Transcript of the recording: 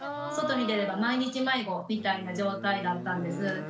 外に出れば毎日迷子みたいな状態だったんです。